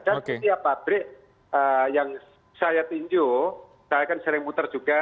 dan setiap pabrik yang saya tinju saya kan sering muter juga